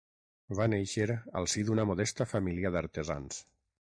Va néixer al si d'una modesta família d'artesans.